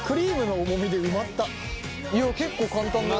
いや結構簡単だよ。